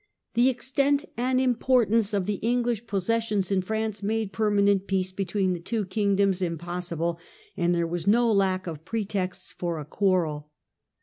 The extent and importance of the English possessions in France made permanent peace between the two kingdoms impossible, and there was no lack of pretexts for a quarrel.